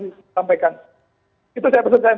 disampaikan itu saya pesankan